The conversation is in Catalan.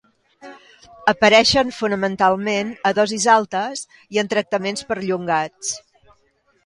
Apareixen fonamentalment a dosis altes i en tractaments perllongats.